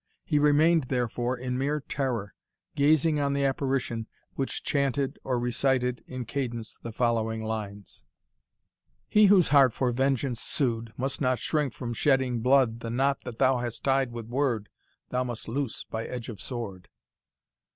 He remained, therefore, in mere terror, gazing on the apparition, which chanted or recited in cadence the following lines "He whose heart for vengeance sued, Must not shrink from shedding blood The knot that thou hast tied with word, Thou must loose by edge of sword."